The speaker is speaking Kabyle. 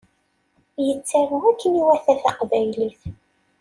Yettaru akken iwata taqbaylit